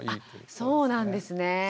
あそうなんですね。